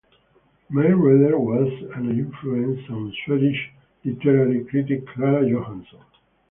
Mayreder was an influence on Swedish literary critic Klara Johanson.